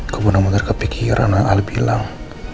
gue bener bener kepikiran yang ali bilang